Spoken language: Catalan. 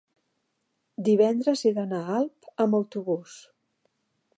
divendres he d'anar a Alp amb autobús.